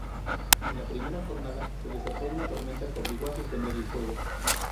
En la primera jornada se desató una tormenta que obligó a suspender el fuego.